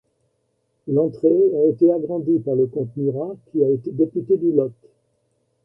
L'entrée a été agrandie par le comte Murat qui a été député du Lot.